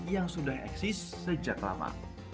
yang sudah eksis sejak lama